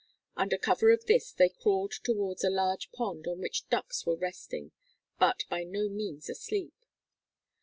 Under cover of this they crawled towards a large pond on which ducks were resting but by no means asleep.